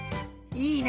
いいね！